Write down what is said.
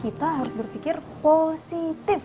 kita harus berpikir positif